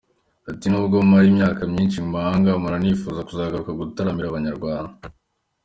Ati “Nubwo mara imyaka myinshi mu mahanga , mpora nifuza kugaruka gutaramira Abanyarwanda “.